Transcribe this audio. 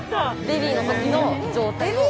ベビーの時の状態を。